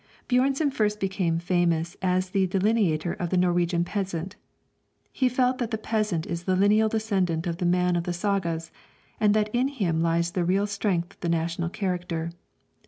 Björnson first became famous as the delineator of the Norwegian peasant. He felt that the peasant is the lineal descendant of the man of the sagas, and that in him lies the real strength of the national character.